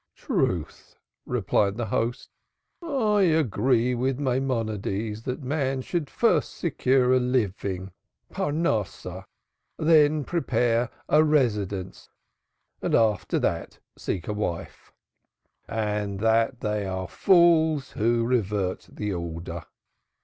"Truth," replied the host. "I agree with Maimonides that man should first secure a living, then prepare a residence and after that seek a wife; and that they are fools who invert the order.